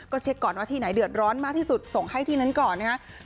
ก็เช็คก่อนว่าที่ไหนเดือดร้อนมากที่สุดส่งให้ที่นั้นก่อนนะครับ